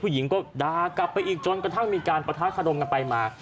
หญิงก็ด่ากลับไปอีกจนกระทั่งมีการปะทะขดมกันไปมา